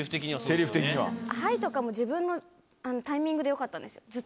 「はい」とかも自分のタイミングでよかったんですよ。